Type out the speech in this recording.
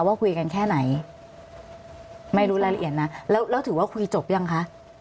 ว่าคุยกันแค่ไหนไม่รู้รายละเอียดนะแล้วถือว่าคุยจบยังคะ